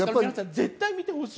絶対見てほしい。